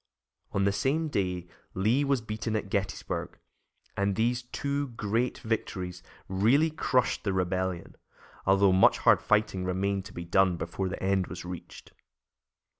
On the same day Lee was beaten at Gettysburg, and these two great victories really crushed the Rebellion, although much hard fighting remained to be done before the end was reached.